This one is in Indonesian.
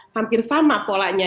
hampir sama polanya